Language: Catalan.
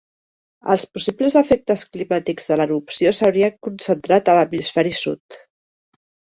Els possibles efectes climàtics de l'erupció s'haurien concentrat a l'hemisferi sud.